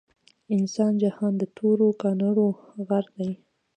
د انسان جهان د تورو کانړو غر دے